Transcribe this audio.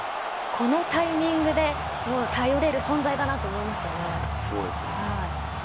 このタイミングで頼れる存在だなと思います。